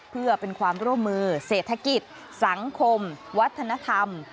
เพื่อเป็นความร่วมมือเศรษฐกิจสังคมวัฒนธรรม